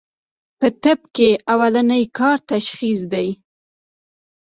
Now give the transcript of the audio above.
پۀ طب کښې اولنی کار تشخيص دی